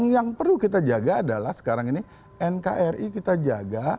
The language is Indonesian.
yang perlu kita jaga adalah sekarang ini nkri kita jaga